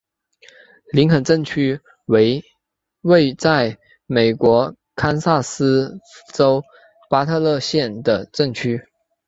林肯镇区为位在美国堪萨斯州巴特勒县的镇区。